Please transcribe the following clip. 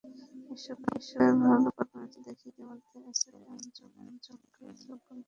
বিশ্বকাপে ভালো পারফরম্যান্স দেখিয়ে ইতিমধ্যেই আর্সেনালে যোগ দিয়েছেন কলম্বিয়ার গোলরক্ষক ডেভিড ওসপিনা।